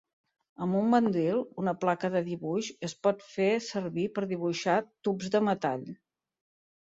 Amb un mandril, una placa de dibuix es pot fer servir per dibuixar tubs de metall.